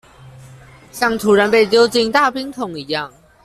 像突然被丟進大冰桶一樣